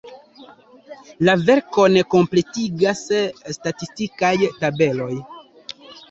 La verkon kompletigas statistikaj tabeloj.